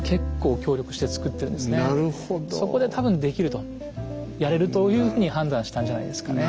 そこで多分できるとやれるというふうに判断したんじゃないですかね。